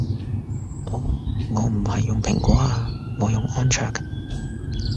哦我唔係用蘋果啊我用安卓